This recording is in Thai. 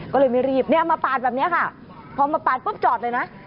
ก็เลยไม่รีบเนี่ยมาปาดแบบนี้ค่ะพอมาปาดปุ๊บจอดเลยนะ